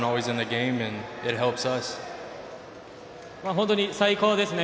本当に最高ですね。